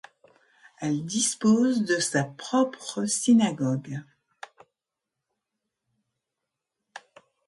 Elle dispose de sa propre synagogue.